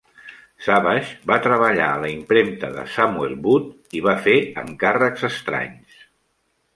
Savage va treballar a la impremta de Samuel Booth i va fer encàrrecs estranys.